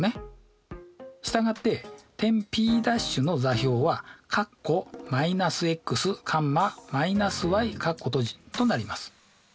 従って点Ｐ′の座標はとなります。